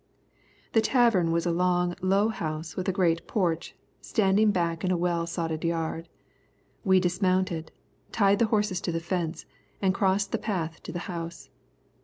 The tavern was a long, low house with a great porch, standing back in a well sodded yard. We dismounted, tied the horses to the fence, and crossed the path to the house.